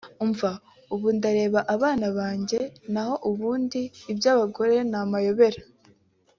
umva ubu ndareba abana banjye naho ubundi ibyabagore namayobera